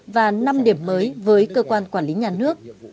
và năm điểm mới với cơ quan quản lý nhà nước